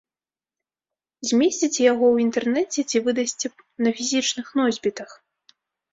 Змесціце яго ў інтэрнэце ці выдасце на фізічных носьбітах?